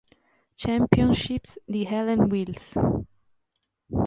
Championships di Helen Wills.